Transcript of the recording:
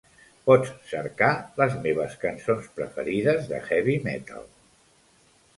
Pots cercar les meves cançons preferides de heavy metal.